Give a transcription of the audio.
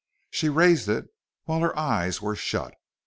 She raised it while her eyes were shut.